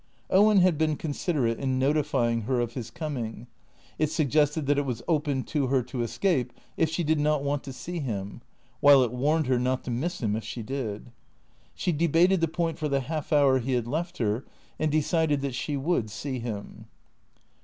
Owen had been considerate in notifying her of his coming. It suggested that it was open to her to escape if she did not want to see him, while it warned her not to miss him if she did. She debated the point for the half hour he had left her, and decided that she would see him.